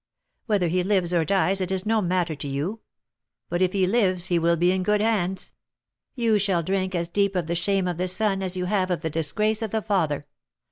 Whether he lives or dies it is no matter to you; but if he lives, he will be in good hands: you shall drink as deep of the shame of the son as you have of the disgrace of the father!'